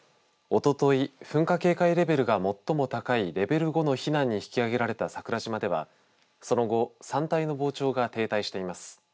おととい、噴火警戒レベルが最も高いレベル５の避難に引き上げられた桜島ではその後、山体の膨張が停滞しています。